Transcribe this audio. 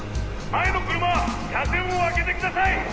前の車車線を空けてください！